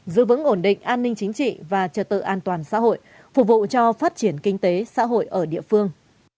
giữ vững ổn định an ninh chính trị và trật tự an toàn xã hội phục vụ cho phát triển kinh tế xã hội ở địa phương